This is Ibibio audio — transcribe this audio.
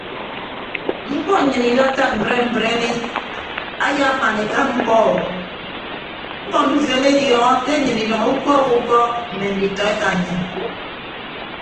Mkpọ nnyịn idatta mbre mbre mi ayaaman eka mkpọ o ñkọ ndufo emediọñọ ke nnyịn idʌño ukọọk ukọọk mme nditọ eka nnyịn.